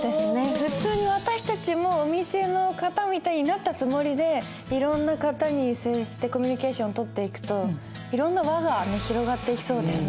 普通に私たちもお店の方みたいになったつもりでいろんな方に接してコミュニケーション取っていくといろんな輪が広がっていきそうだよね。